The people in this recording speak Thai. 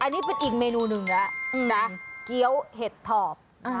อันนี้เป็นอีกเมนูหนึ่งแล้วนะเกี้ยวเห็ดถอบ